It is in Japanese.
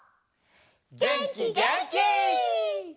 げんきげんき！